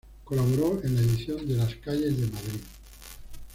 Colaboró en la edición de "Las calles de Madrid.